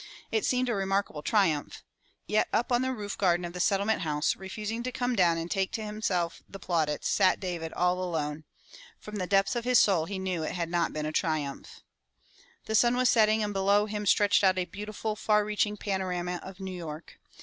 It seemed a remarkable triumph. Yet up on the roof garden of the Settlement House, refusing to come down and take to himself the plaudits, sat David all alone. From the depths of his soul he knew it had not been a triumph. The sun was setting and below him stretched out a beautiful far reaching panorama of New York.